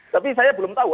tapi saya belum tahu